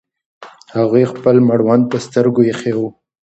هغې خپل مړوند پر سترګو ایښی و.